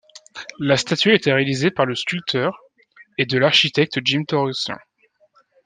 La statue a été réalisée par le sculpteur et de l'architecte Jim Torosian.